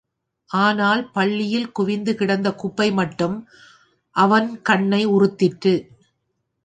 ஆனால் பள்ளியில் குவிந்து கிடந்த குப்பை மட்டும் அவன் கண்ணை உறுத்திற்று.